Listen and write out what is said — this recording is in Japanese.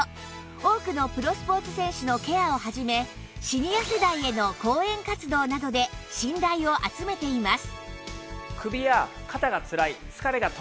多くのプロスポーツ選手のケアをはじめシニア世代への講演活動などで信頼を集めています